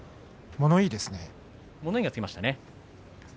物言いがつきました。